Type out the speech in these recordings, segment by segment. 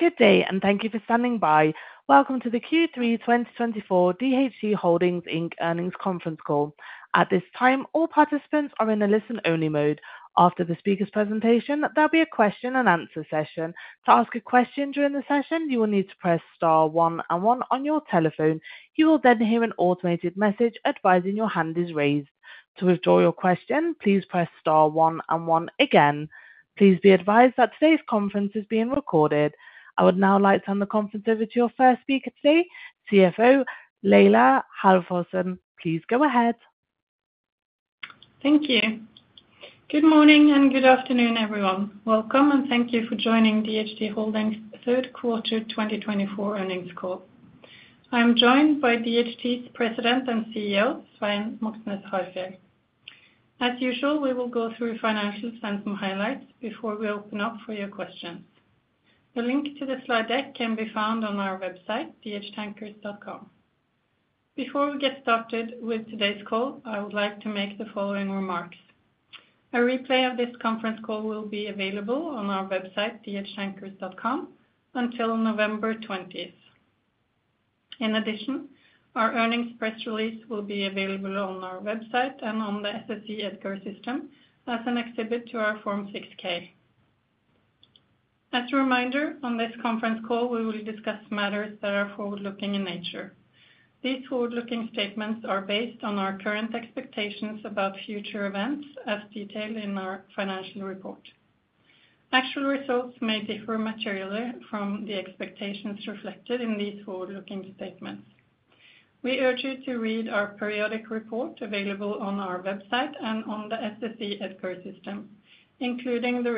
Good day, and thank you for standing by. Welcome to the Q3 2024 DHT Holdings Inc. Earnings Conference Call. At this time, all participants are in a listen-only mode. After the speaker's presentation, there'll be a question-and-answer session. To ask a question during the session, you will need to press star one and one on your telephone. You will then hear an automated message advising your hand is raised. To withdraw your question, please press star one and one again. Please be advised that today's conference is being recorded. I would now like to turn the conference over to your first speaker today, CFO Laila Halvorsen. Please go ahead. Thank you. Good morning and good afternoon, everyone. Welcome, and thank you for joining DHT Holdings' third quarter 2024 earnings call. I am joined by DHT's President and CEO, Svein Moxnes Harfjeld. As usual, we will go through financials and some highlights before we open up for your questions. The link to the slide deck can be found on our website, dhtankers.com. Before we get started with today's call, I would like to make the following remarks. A replay of this conference call will be available on our website, dhtankers.com, until November 20th. In addition, our earnings press release will be available on our website and on the SEC EDGAR system as an exhibit to our Form 6-K. As a reminder, on this conference call, we will discuss matters that are forward-looking in nature. These forward-looking statements are based on our current expectations about future events, as detailed in our financial report. Actual results may differ materially from the expectations reflected in these forward-looking statements. We urge you to read our periodic report available on our website and on the SEC EDGAR system, including the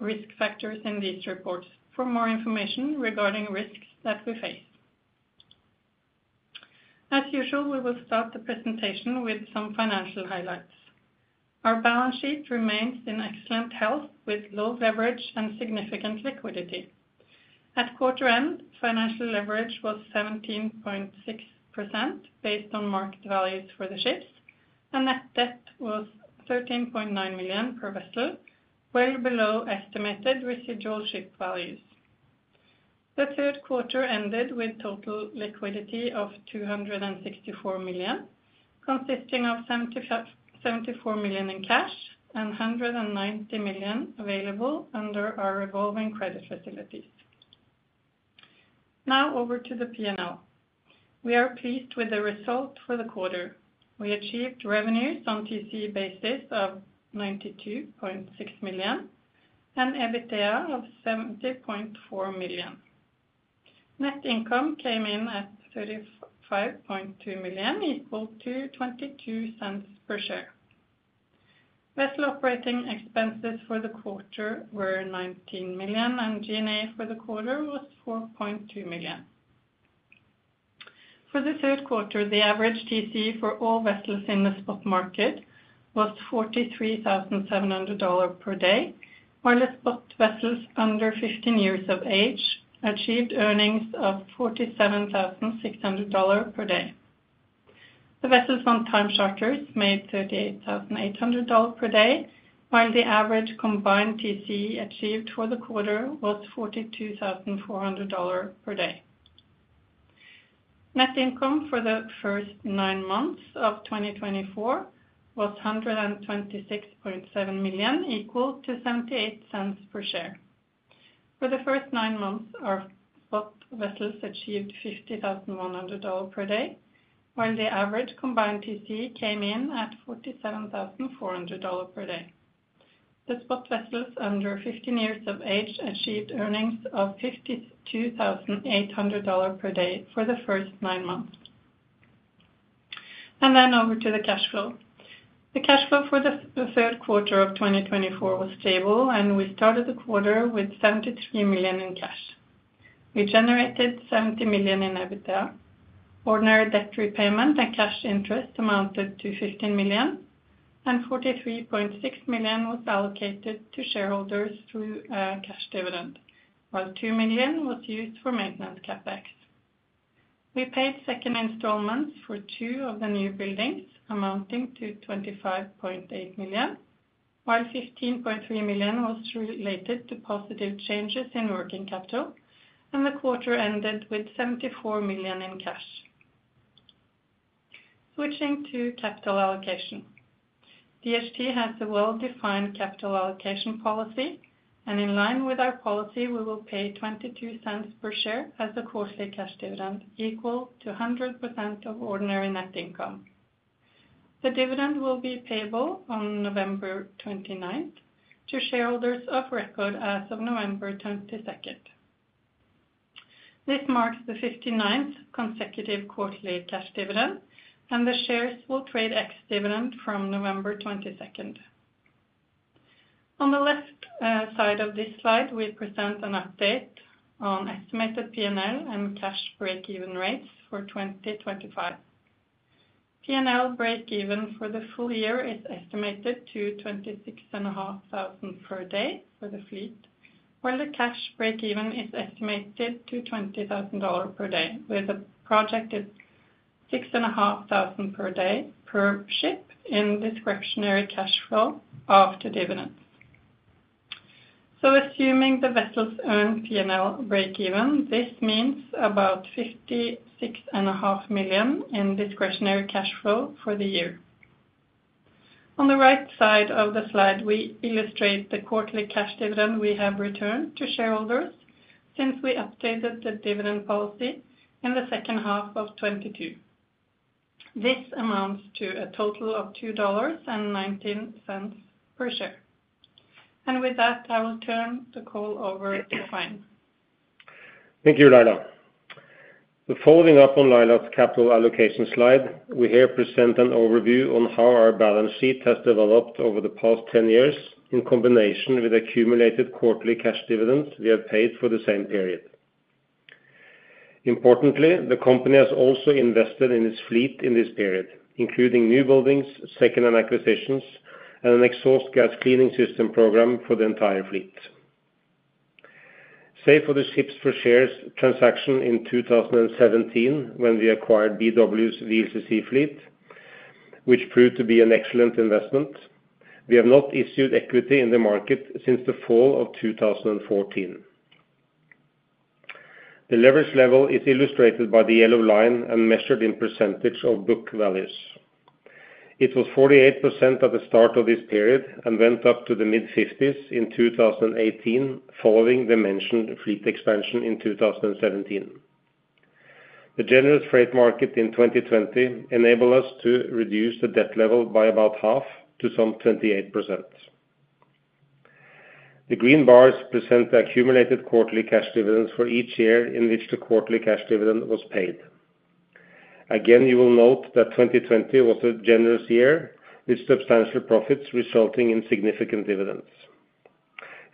risk factors in these reports, for more information regarding risks that we face. As usual, we will start the presentation with some financial highlights. Our balance sheet remains in excellent health, with low leverage and significant liquidity. At quarter end, financial leverage was 17.6% based on market values for the ships, and net debt was $13.9 million per vessel, well below estimated residual ship values. The third quarter ended with total liquidity of $264 million, consisting of $74 million in cash and $190 million available under our revolving credit facilities. Now, over to the P&L. We are pleased with the result for the quarter. We achieved revenues on TC basis of $92.6 million and EBITDA of $70.4 million. Net income came in at $35.2 million, equal to $0.22 per share. Vessel operating expenses for the quarter were $19 million, and G&A for the quarter was $4.2 million. For the third quarter, the average TC for all vessels in the spot market was $43,700 per day, while the spot vessels under 15 years of age achieved earnings of $47,600 per day. The vessels on time charters made $38,800 per day, while the average combined TC achieved for the quarter was $42,400 per day. Net income for the first nine months of 2024 was $126.7 million, equal to $0.78 per share. For the first nine months, our spot vessels achieved $50,100 per day, while the average combined TC came in at $47,400 per day. The spot vessels under 15 years of age achieved earnings of $52,800 per day for the first nine months, and then over to the cash flow. The cash flow for the third quarter of 2024 was stable, and we started the quarter with $73 million in cash. We generated $70 million in EBITDA. Ordinary debt repayment and cash interest amounted to $15 million, and $43.6 million was allocated to shareholders through a cash dividend, while $2 million was used for maintenance CapEx. We paid second installments for two of the new buildings, amounting to $25.8 million, while $15.3 million was related to positive changes in working capital, and the quarter ended with $74 million in cash. Switching to capital allocation. DHT has a well-defined capital allocation policy, and in line with our policy, we will pay $0.22 per share as a quarterly cash dividend, equal to 100% of ordinary net income. The dividend will be payable on November 29th to shareholders of record as of November 22nd. This marks the 59th consecutive quarterly cash dividend, and the shares will trade ex-dividend from November 22nd. On the left side of this slide, we present an update on estimated P&L and cash break-even rates for 2025. P&L break-even for the full year is estimated to $26,500 per day for the fleet, while the cash break-even is estimated to $20,000 per day, with a projected $6,500 per day per ship in discretionary cash flow after dividends. Assuming the vessels earn P&L break-even, this means about $56.5 million in discretionary cash flow for the year. On the right side of the slide, we illustrate the quarterly cash dividend we have returned to shareholders since we updated the dividend policy in the second half of 2022. This amounts to a total of $2.19 per share. And with that, I will turn the call over to Svein. Thank you, Laila. Following up on Laila's capital allocation slide, we here present an overview on how our balance sheet has developed over the past 10 years in combination with accumulated quarterly cash dividends we have paid for the same period. Importantly, the company has also invested in its fleet in this period, including newbuildings, second-hand acquisitions, and an exhaust gas cleaning system program for the entire fleet. Save for the ships-per-shares transaction in 2017, when we acquired BW's VLCC fleet, which proved to be an excellent investment, we have not issued equity in the market since the fall of 2014. The leverage level is illustrated by the yellow line and measured in % of book values. It was 48% at the start of this period and went up to the mid-50s in 2018, following the mentioned fleet expansion in 2017. The generous freight market in 2020 enabled us to reduce the debt level by about half to some 28%. The green bars present the accumulated quarterly cash dividends for each year in which the quarterly cash dividend was paid. Again, you will note that 2020 was a generous year with substantial profits resulting in significant dividends.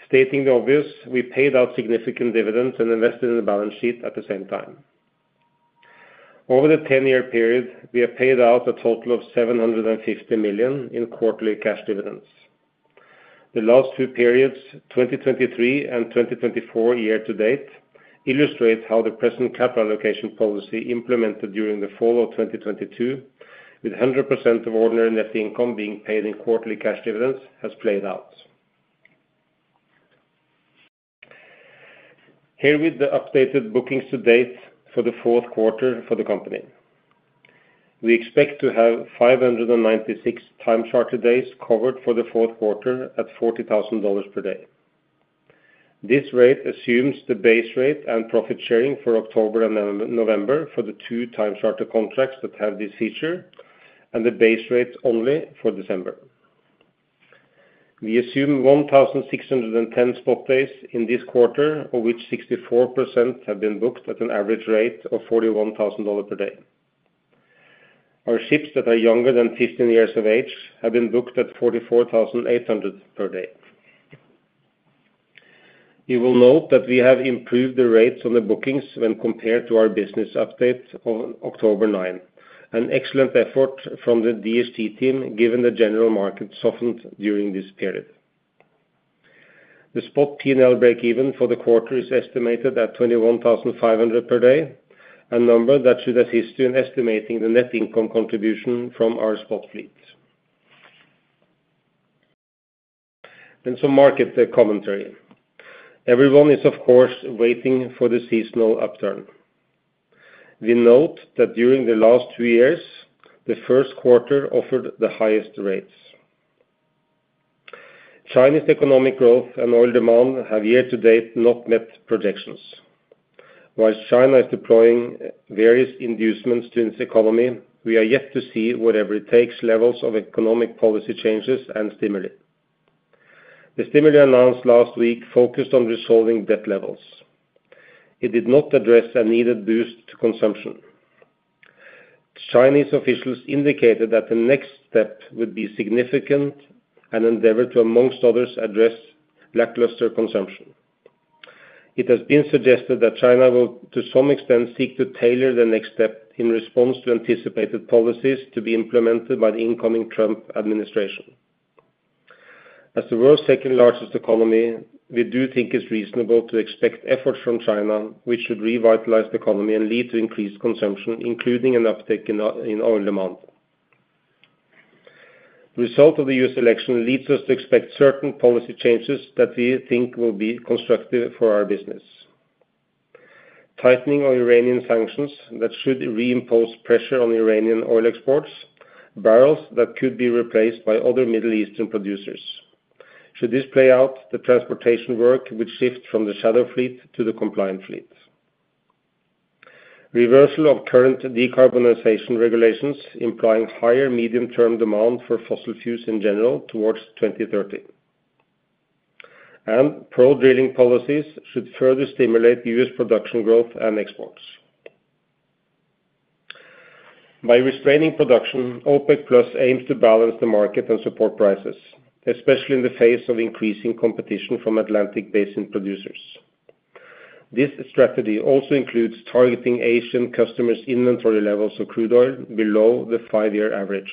Stating the obvious, we paid out significant dividends and invested in the balance sheet at the same time. Over the 10-year period, we have paid out a total of $750 million in quarterly cash dividends. The last two periods, 2023 and 2024 year to date, illustrate how the present capital allocation policy implemented during the fall of 2022, with 100% of ordinary net income being paid in quarterly cash dividends, has played out. Here with the updated bookings to date for the fourth quarter for the company. We expect to have 596 time charter days covered for the fourth quarter at $40,000 per day. This rate assumes the base rate and profit sharing for October and November for the two time charter contracts that have this feature, and the base rate only for December. We assume 1,610 spot days in this quarter, of which 64% have been booked at an average rate of $41,000 per day. Our ships that are younger than 15 years of age have been booked at $44,800 per day. You will note that we have improved the rates on the bookings when compared to our business update on October 9, an excellent effort from the DHT team given the general market softened during this period. The spot P&L break-even for the quarter is estimated at 21,500 per day, a number that should assist you in estimating the net income contribution from our spot fleet. Some market commentary. Everyone is, of course, waiting for the seasonal upturn. We note that during the last two years, the first quarter offered the highest rates. Chinese economic growth and oil demand have yet to date not met projections. While China is deploying various inducements to its economy, we are yet to see whatever it takes levels of economic policy changes and stimuli. The stimuli announced last week focused on resolving debt levels. It did not address a needed boost to consumption. Chinese officials indicated that the next step would be significant and endeavored to, among others, address lackluster consumption. It has been suggested that China will, to some extent, seek to tailor the next step in response to anticipated policies to be implemented by the incoming Trump administration. As the world's second-largest economy, we do think it's reasonable to expect efforts from China, which should revitalize the economy and lead to increased consumption, including an uptick in oil demand. The result of the U.S. election leads us to expect certain policy changes that we think will be constructive for our business: tightening of Iranian sanctions that should reimpose pressure on Iranian oil exports, barrels that could be replaced by other Middle Eastern producers. Should this play out, the transportation work would shift from the shadow fleet to the compliant fleet. Reversal of current decarbonization regulations implying higher medium-term demand for fossil fuels in general towards 2030. And pro-drilling policies should further stimulate U.S. production growth and exports. By restraining production, OPEC+ aims to balance the market and support prices, especially in the face of increasing competition from Atlantic Basin producers. This strategy also includes targeting Asian customers' inventory levels of crude oil below the five-year average,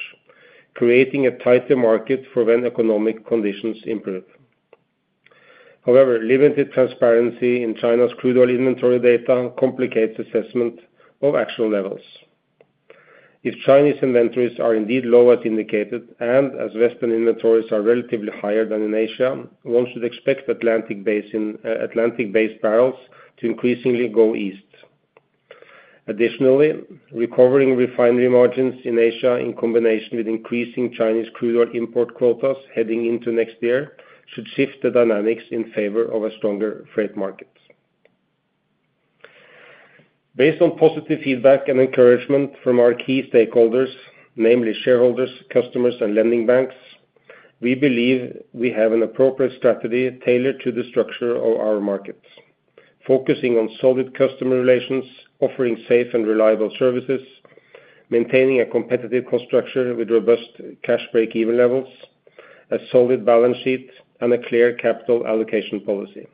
creating a tighter market for when economic conditions improve. However, limited transparency in China's crude oil inventory data complicates assessment of actual levels. If Chinese inventories are indeed low as indicated and as Western inventories are relatively higher than in Asia, one should expect Atlantic-based barrels to increasingly go east. Additionally, recovering refinery margins in Asia in combination with increasing Chinese crude oil import quotas heading into next year should shift the dynamics in favor of a stronger freight market. Based on positive feedback and encouragement from our key stakeholders, namely shareholders, customers, and lending banks, we believe we have an appropriate strategy tailored to the structure of our market, focusing on solid customer relations, offering safe and reliable services, maintaining a competitive cost structure with robust cash break-even levels, a solid balance sheet, and a clear capital allocation policy.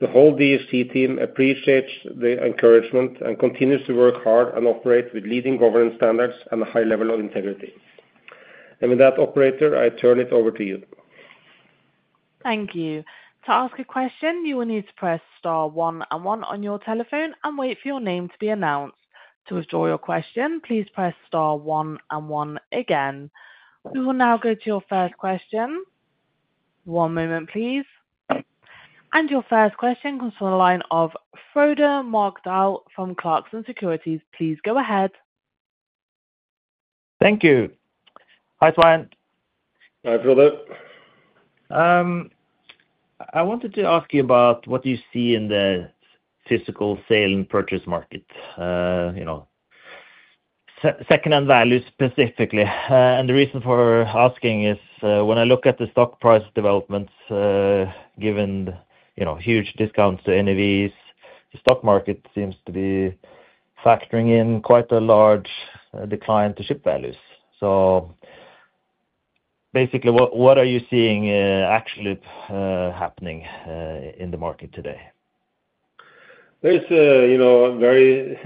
The whole DHT team appreciates the encouragement and continues to work hard and operate with leading governance standards and a high level of integrity, and with that, operator, I turn it over to you. Thank you. To ask a question, you will need to press star one and one on your telephone and wait for your name to be announced. To withdraw your question, please press star one and one again. We will now go to your first question. One moment, please. And your first question comes from the line of Frode Mørkedal from Clarksons Securities. Please go ahead. Thank you. Hi, Svein. Hi, Frode. I wanted to ask you about what you see in the physical sale and purchase market, second-hand values specifically, and the reason for asking is when I look at the stock price developments, given huge discounts to NAVs, the stock market seems to be factoring in quite a large decline to ship values, so basically, what are you seeing actually happening in the market today? There's a very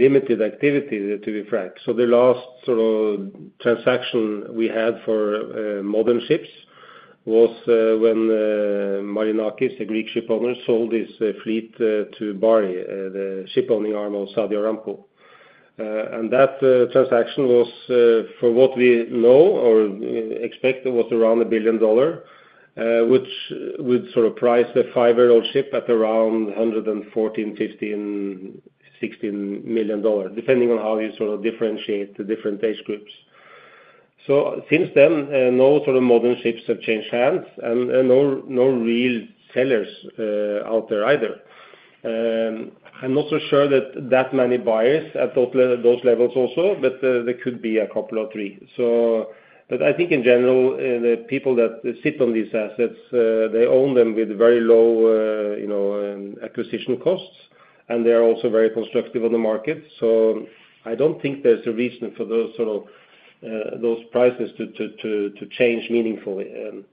limited activity, to be frank, so the last sort of transaction we had for modern ships was when Marinakis, a Greek ship owner, sold his fleet to Bahri, the ship-owning arm of Saudi Aramco, and that transaction was, for what we know or expect, around $1 billion, which would sort of price the five-year-old ship at around $114 million - $116 million, depending on how you sort of differentiate the different age groups, so since then, no sort of modern ships have changed hands and no real sellers out there either. I'm not so sure that that many buyers at those levels also, but there could be a couple or three. But I think in general, the people that sit on these assets, they own them with very low acquisition costs, and they are also very constructive on the market. So I don't think there's a reason for those prices to change meaningfully.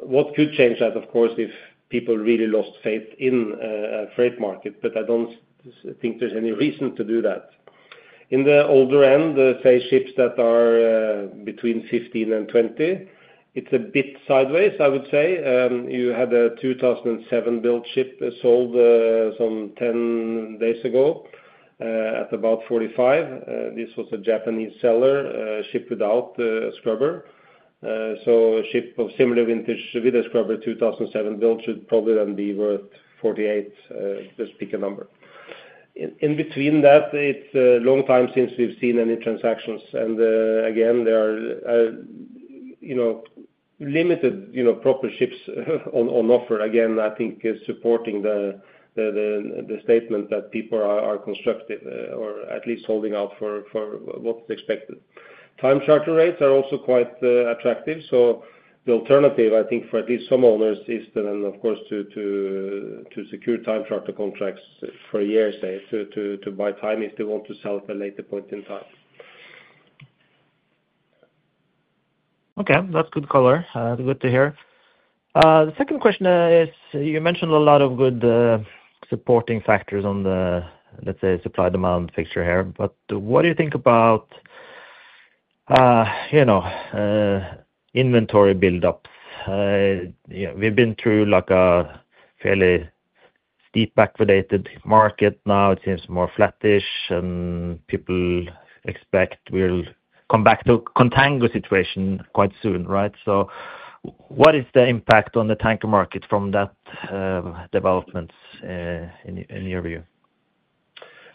What could change that, of course, if people really lost faith in a freight market, but I don't think there's any reason to do that. In the older end, say ships that are between 15 and 20, it's a bit sideways, I would say. You had a 2007-built ship sold some 10 days ago at about 45. This was a Japanese seller ship without a scrubber. So a ship of similar vintage with a scrubber, 2007-built, should probably then be worth 48, just pick a number. In between that, it's a long time since we've seen any transactions. And again, there are limited proper ships on offer. Again, I think supporting the statement that people are constructive or at least holding out for what's expected. Time charter rates are also quite attractive. So the alternative, I think, for at least some owners is then, of course, to secure time charter contracts for a year, say, to buy time if they want to sell at a later point in time. Okay. That's good color. Good to hear. The second question is you mentioned a lot of good supporting factors on the, let's say, supply-demand picture here, but what do you think about inventory buildups? We've been through a fairly steep backwardated market now. It seems more flattish, and people expect we'll come back to a contango situation quite soon, right? So what is the impact on the tanker market from that development in your view?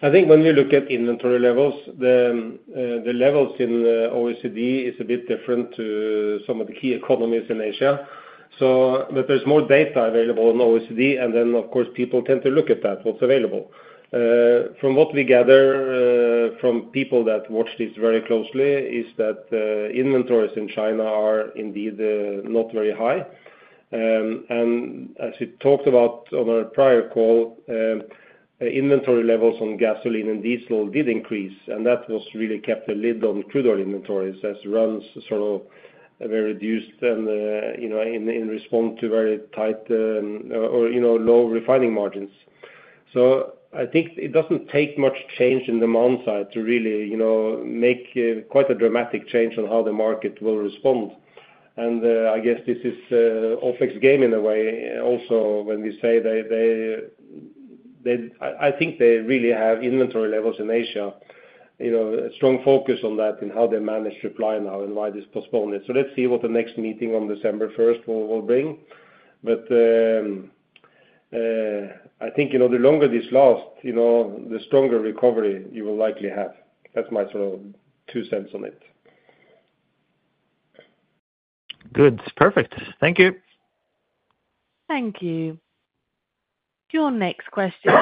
I think when you look at inventory levels, the levels in OECD is a bit different to some of the key economies in Asia. But there's more data available on OECD, and then, of course, people tend to look at that, what's available. From what we gather from people that watch this very closely, is that inventories in China are indeed not very high. And as we talked about on our prior call, inventory levels on gasoline and diesel did increase, and that was really kept a lid on crude oil inventories as runs sort of were reduced in response to very tight or low refining margins. So I think it doesn't take much change in demand side to really make quite a dramatic change on how the market will respond. And I guess this is OPEC's+ game in a way also when we say they. I think they really have inventory levels in Asia, a strong focus on that in how they manage supply now and why this postponed it. So let's see what the next meeting on December 1st will bring. But I think the longer this lasts, the stronger recovery you will likely have. That's my sort of $0.02 on it. Good. Perfect. Thank you. Thank you. Your next question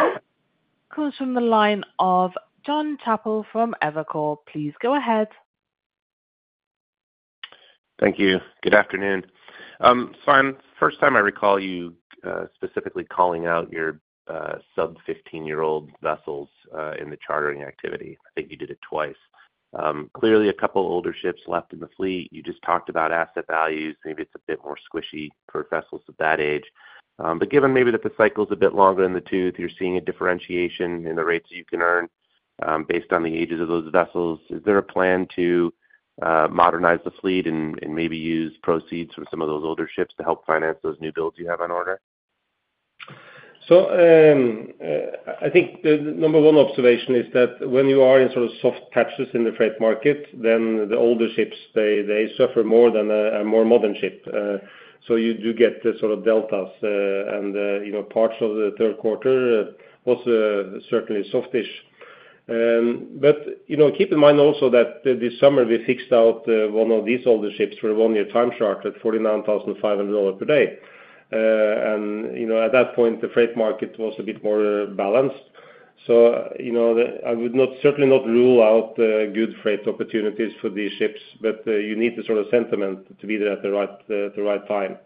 comes from the line of Jon Chappell from Evercore. Please go ahead. Thank you. Good afternoon. Svein, first time I recall you specifically calling out your sub-15-year-old vessels in the chartering activity. I think you did it twice. Clearly, a couple of older ships left in the fleet. You just talked about asset values. Maybe it's a bit more squishy for vessels of that age. But given maybe that the cycle is a bit longer in the tooth, you're seeing a differentiation in the rates that you can earn based on the ages of those vessels. Is there a plan to modernize the fleet and maybe use proceeds from some of those older ships to help finance those new builds you have on order? So I think the number one observation is that when you are in sort of soft patches in the freight market, then the older ships, they suffer more than a more modern ship. So you do get sort of deltas, and parts of the third quarter was certainly softish. But keep in mind also that this summer we fixed out one of these older ships for a one-year time charter at $49,500 per day. And at that point, the freight market was a bit more balanced. So I would certainly not rule out good freight opportunities for these ships, but you need the sort of sentiment to be there at the right time.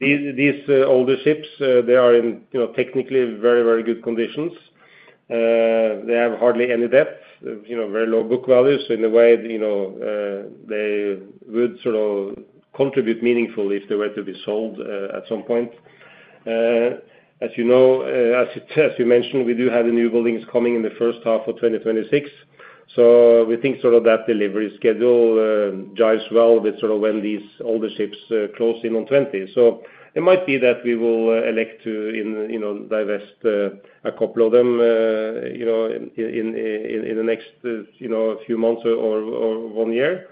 These older ships, they are in technically very, very good conditions. They have hardly any debt, very low book values. So in a way, they would sort of contribute meaningfully if they were to be sold at some point. As you mentioned, we do have the newbuildings coming in the first half of 2026. So we think sort of that delivery schedule jives well with sort of when these older ships close in on 20. So it might be that we will elect to divest a couple of them in the next few months or one year.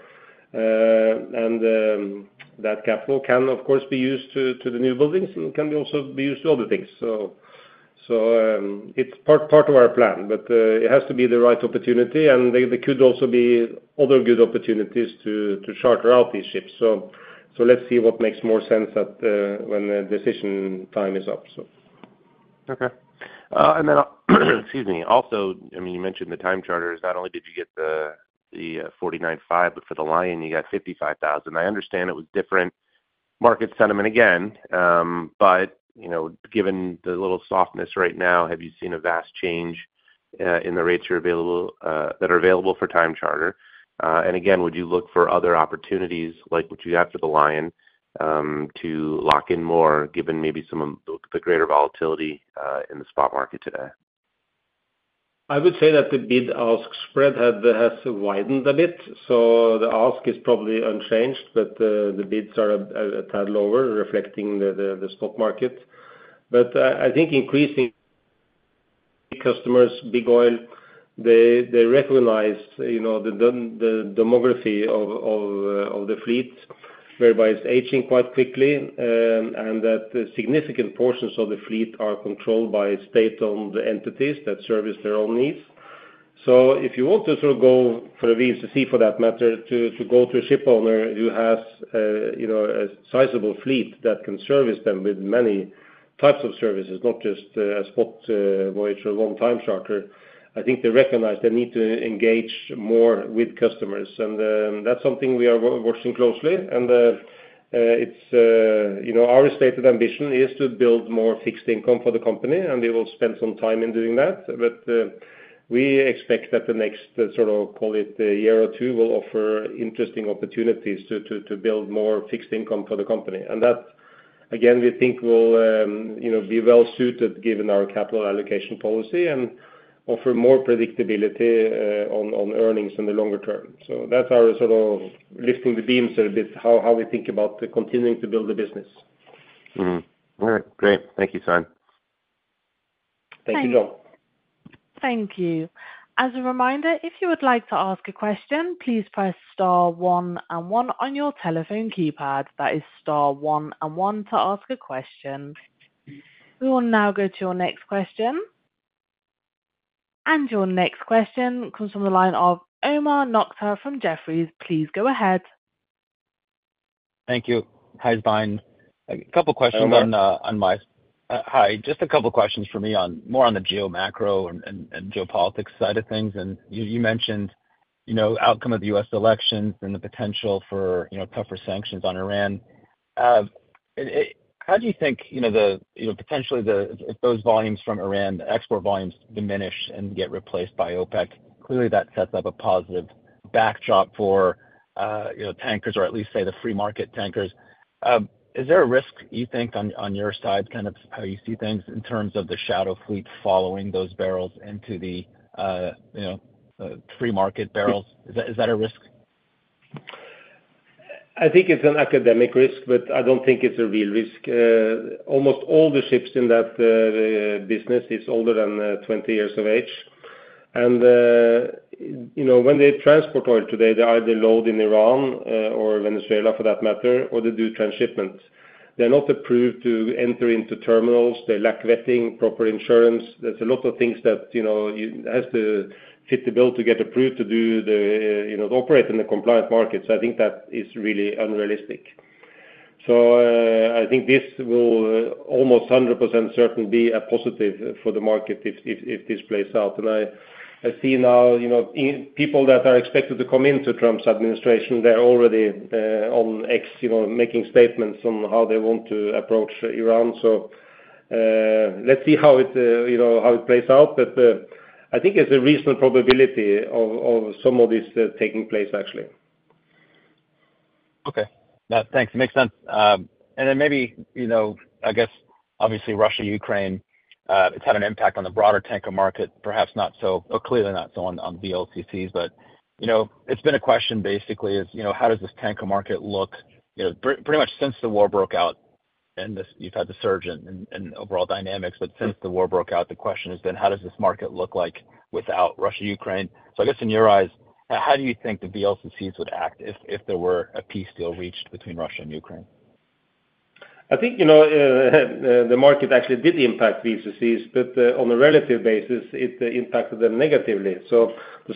And that capital can, of course, be used to the newbuildings and can also be used to other things. So it's part of our plan, but it has to be the right opportunity. And there could also be other good opportunities to charter out these ships. So let's see what makes more sense when the decision time is up, so. Okay. And then, excuse me. Also, I mean, you mentioned the time charters. Not only did you get the $49,500, but for the Lion, you got $55,000. I understand it was different market sentiment again. But given the little softness right now, have you seen a vast change in the rates that are available for time charter? And again, would you look for other opportunities like what you have for the Lion to lock in more, given maybe some of the greater volatility in the spot market today? I would say that the bid-ask spread has widened a bit, so the ask is probably unchanged, but the bids are a tad lower, reflecting the stock market, but I think increasing customers, big oil, they recognize the demographics of the fleet, whereby it's aging quite quickly, and that significant portions of the fleet are controlled by state-owned entities that service their own needs, so if you want to sort of go for a VLCC, for that matter, to go to a ship owner who has a sizable fleet that can service them with many types of services, not just a spot voyage or one-time charter, I think they recognize they need to engage more with customers, and that's something we are watching closely, and our stated ambition is to build more fixed income for the company, and we will spend some time in doing that. But we expect that the next sort of, call it a year or two, will offer interesting opportunities to build more fixed income for the company. And that, again, we think will be well suited given our capital allocation policy and offer more predictability on earnings in the longer term. So that's our sort of lifting the beams a bit, how we think about continuing to build the business. All right. Great. Thank you, Svein. Thank you, Jon. Thank you. As a reminder, if you would like to ask a question, please press star one and one on your telephone keypad. That is star one and one to ask a question. We will now go to your next question. And your next question comes from the line of Omar Nokta from Jefferies. Please go ahead. Thank you. Hi, Trygve. A couple of questions on my. Hello. Hi. Just a couple of questions for me, more on the geomacro and geopolitics side of things. You mentioned outcome of the U.S. elections and the potential for tougher sanctions on Iran. How do you think potentially if those volumes from Iran, export volumes, diminish and get replaced by OPEC, clearly that sets up a positive backdrop for tankers, or at least say the free-market tankers. Is there a risk, you think, on your side, kind of how you see things in terms of the shadow fleet following those barrels into the free-market barrels? Is that a risk? I think it's an academic risk, but I don't think it's a real risk. Almost all the ships in that business is older than 20 years of age. And when they transport oil today, they either load in Iran or Venezuela, for that matter, or they do transshipment. They're not approved to enter into terminals. They lack vetting, proper insurance. There's a lot of things that has to fit the bill to get approved to operate in the compliant market. So I think that is really unrealistic. So I think this will almost 100% certain be a positive for the market if this plays out. And I see now people that are expected to come into Trump's administration, they're already on X making statements on how they want to approach Iran. So let's see how it plays out. But I think there's a reasonable probability of some of this taking place, actually. Okay. Thanks. Makes sense. And then maybe, I guess, obviously, Russia, Ukraine, it's had an impact on the broader tanker market, perhaps not so clearly not so on the VLCCs. But it's been a question basically is how does this tanker market look pretty much since the war broke out, and you've had the surge in overall dynamics, but since the war broke out, the question has been, how does this market look like without Russia, Ukraine? So I guess in your eyes, how do you think the VLCCs would act if there were a peace deal reached between Russia and Ukraine? I think the market actually did impact VLCCs, but on a relative basis, it impacted them negatively. So our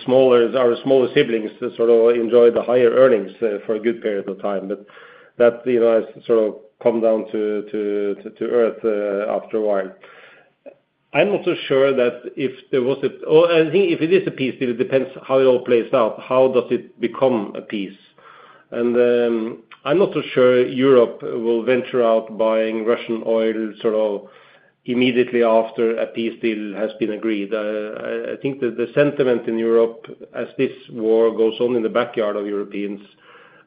smaller siblings sort of enjoy the higher earnings for a good period of time. But that has sort of come down to earth after a while. I'm not so sure. Oh, I think if it is a peace deal, it depends how it all plays out. How does it become a peace? And I'm not so sure Europe will venture out buying Russian oil sort of immediately after a peace deal has been agreed. I think that the sentiment in Europe, as this war goes on in the backyard of Europeans,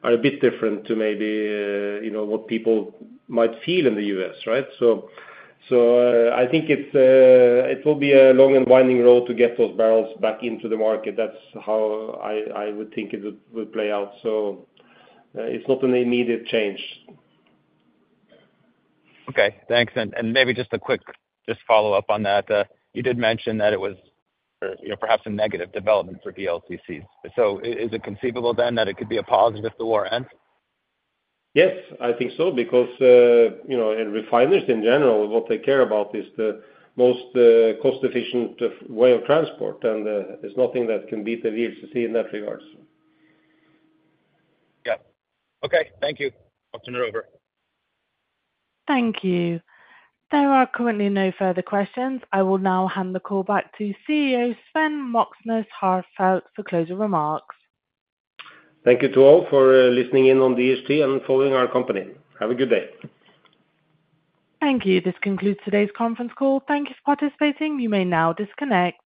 is a bit different to maybe what people might feel in the U.S., right? So I think it will be a long and winding road to get those barrels back into the market. That's how I would think it would play out. So it's not an immediate change. Okay. Thanks. And maybe just a quick follow-up on that. You did mention that it was perhaps a negative development for VLCCs. So is it conceivable then that it could be a positive if the war ends? Yes, I think so, because refineries in general, what they care about is the most cost-efficient way of transport, and there's nothing that can beat the VLCC in that regard. Yeah. Okay. Thank you. I'll turn it over. Thank you. There are currently no further questions. I will now hand the call back to CEO Svein Moxnes Harfjeld for closing remarks. Thank you to all for listening in on DHT and following our company. Have a good day. Thank you. This concludes today's conference call. Thank you for participating. You may now disconnect.